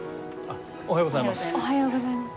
おはようございます。